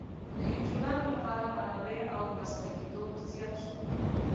د انجوګانو لپاره منابع او مسلکیتوب زیات شو.